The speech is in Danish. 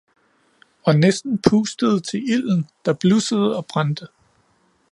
Og nissen pustede til ilden, der blussede og brændte